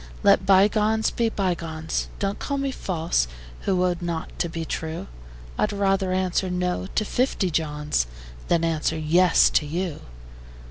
Let bygones be bygones: Don't call me false, who owed not to be true: I'd rather answer "No" to fifty Johns Than answer "Yes" to you.